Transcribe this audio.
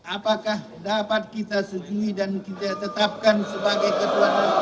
apakah dapat kita setuju dan kita tetapkan sebagai ketua dpr ri setuju